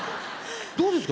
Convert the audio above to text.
どうですか？